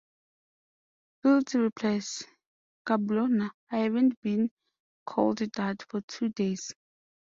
Fields replies: Kabloona -- I haven't been called that for two days.